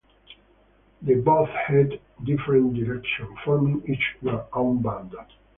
They both headed different directions, forming each their own band.